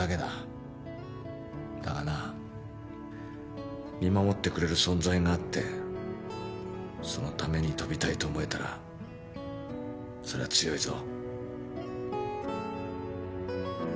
だがな見守ってくれる存在があってそのために跳びたいと思えたらそれは強いぞ。